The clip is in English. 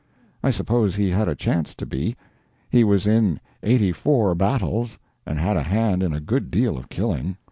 I suppose he had a chance to be; he was in eighty four battles, and had a hand in a good deal of killing.